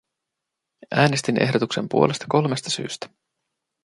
Äänestin ehdotuksen puolesta kolmesta syystä.